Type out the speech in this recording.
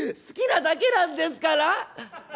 好きなだけなんですから」。